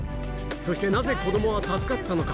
そしてなぜ子供は助かったのか？